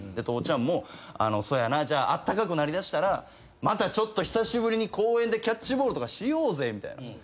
父ちゃんも「そうやなじゃああったかくなりだしたらまたちょっと久しぶりに公園でキャッチボールとかしようぜ」みたいな。